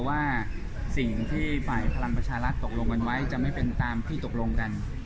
ว่าสิ่งที่ฝ่ายพลังประชารัฐตกลงกันไว้จะไม่เป็นตามที่ตกลงกัน